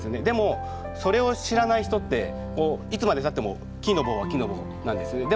でもそれを知らない人っていつまでたっても木の棒は木の棒なんです。